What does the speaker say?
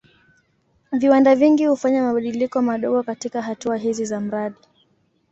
Viwanda vingi hufanya mabadiliko madogo katika hatua hizi za mradi.